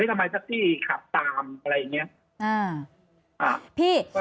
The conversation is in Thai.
ทำไมแท็กซี่ขับตามอะไรอย่างนี้